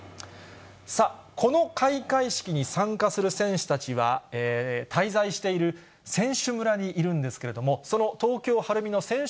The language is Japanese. さあ、この開会式に参加する選手たちは、滞在している選手村にいるんですけれども、その東京・晴海の選手